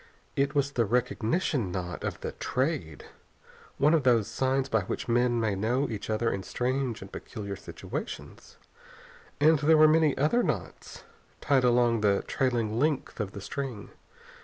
It was the recognition knot of the Trade, one of those signs by which men may know each other in strange and peculiar situations. And there were many other knots tied along the trailing length of the string.